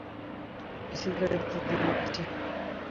AC গাড়িতে দিল্লি যাচ্ছি!